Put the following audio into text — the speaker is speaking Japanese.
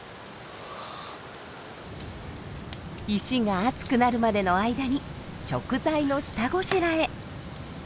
石が熱くなるまでの間に食材の下ごしらえ。